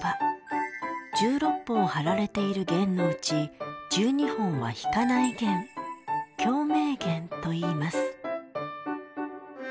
１６本張られている弦のうち１２本は弾かない弦共鳴弦といいます。